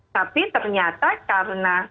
tapi ternyata karena